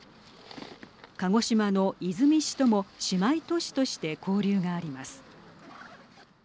鹿児島の出水市とも姉妹都市として交流があります。